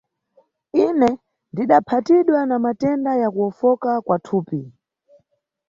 Ine ndidaphatidwa na matenda ya kuwofoka kwa thupi.